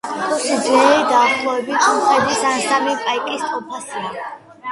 კუ სიძლიერით დაახლოებით მხედრის ან სამი პაიკის ტოლფასია.